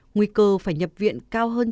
nguy cơ phải nhập viện cao hơn